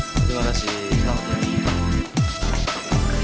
terima kasih selamat tinggal